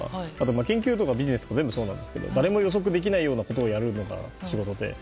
研究とかビジネスとか全部そうなんですけど誰も予測できないようなことが仕事で。